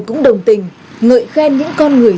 cũng đồng tình ngợi khen những con người